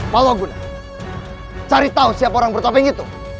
paloguna cari tahu siapa orang bertopeng itu